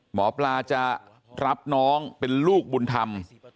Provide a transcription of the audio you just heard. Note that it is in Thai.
หมอปลาจะรับน้องเป็นลูกบุญธรรม